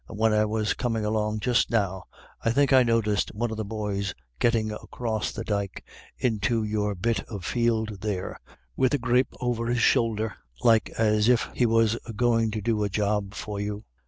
When I was coming along just now, I think I noticed one of the boys getting across the dyke into your bit of field there, with a graip over his shoulder, like as if he was about doing a job for you."